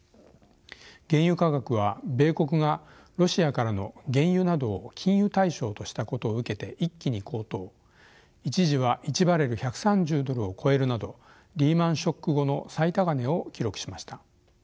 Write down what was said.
原油価格は米国がロシアからの原油などを禁輸対象としたことを受けて一気に高騰一時は１バレル１３０ドルを超えるなどリーマンショック後の最高値を記録しました。